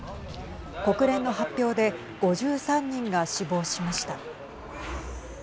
国連の発表で５３人が死亡しました。